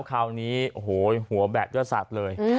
คราวนี้โอ้โหหัวแบบเลือดสัตว์เลย